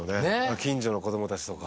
近所の子供たちとか。